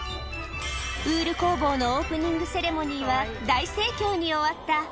ウール工房のオープニングセレモニーは大盛況に終わった。